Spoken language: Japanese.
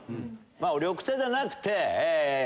緑茶じゃなくて。